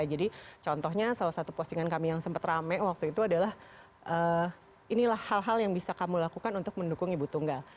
jadi contohnya salah satu postingan kami yang sempat rame waktu itu adalah inilah hal hal yang bisa kamu lakukan untuk mendukung ibu tunggal